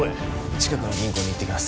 近くの銀行に行ってきます